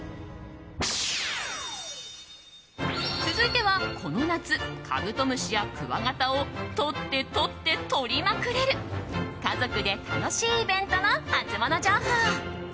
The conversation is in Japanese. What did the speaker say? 続いてはこの夏カブトムシやクワガタをとってとってとりまくれる家族で楽しいイベントのハツモノ情報。